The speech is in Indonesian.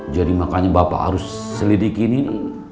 jadi makanya bapak harus selidiki ini